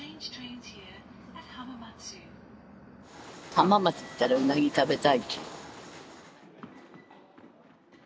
浜松行ったらウナギ食べたい。